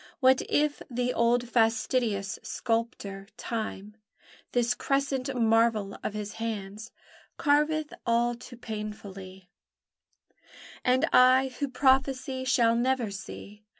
What if the old fastidious sculptor, Time, This crescent marvel of his hands Carveth all too painfully, And I who prophesy shall never see?